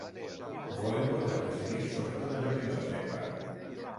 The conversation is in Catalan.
Volem poder decidir sobre tot allò que ens afecta.